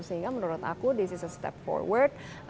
sehingga menurut aku this is a step forward